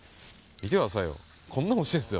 見てくださいよ、こんなの落ちてるんですよ。